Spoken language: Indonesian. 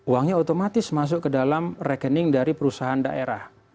uangnya otomatis masuk ke dalam rekening dari perusahaan daerah